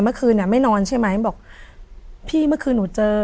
เมื่อคืนอ่ะไม่นอนใช่ไหมบอกพี่เมื่อคืนหนูเจอ